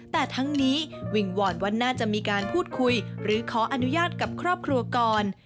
แต่ทั้งนี้วิงวอนว่าน่าจะมีการพูดคุยหรือขออนุญาตกับครอบครัวก่อน